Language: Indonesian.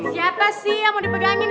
siapa sih yang mau dipegangin